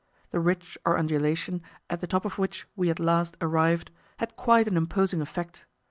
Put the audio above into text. The ridge or undulation, at the top of which we at last arrived, had quite an imposing effect.